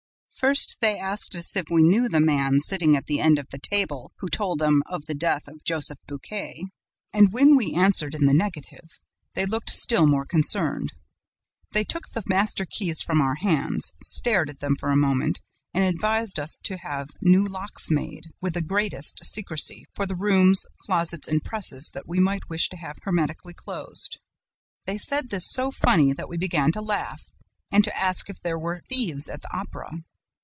First, they asked us if we knew the man, sitting at the end of the table, who had told them of the death of Joseph Buquet; and, when we answered in the negative, they looked still more concerned. They took the master keys from our hands, stared at them for a moment and advised us to have new locks made, with the greatest secrecy, for the rooms, closets and presses that we might wish to have hermetically closed. They said this so funnily that we began to laugh and to ask if there were thieves at the Opera.